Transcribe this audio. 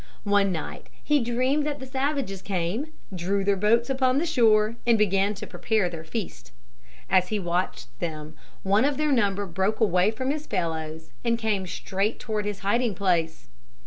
One night he dreamed that the savages came, drew their boats upon the shore and began to prepare their feast. As he watched them one of their number broke away from his fellows and came straight toward his hiding place.